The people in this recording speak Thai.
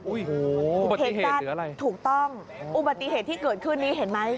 บุปติเหตุหรืออะไรถูกต้องบุปติเหตุที่เกิดขึ้นนี้เห็นไหม